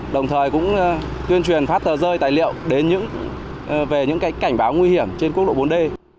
đồng thời cũng tuyên truyền phát tờ rơi tài liệu đến về những cảnh báo nguy hiểm trên quốc lộ bốn d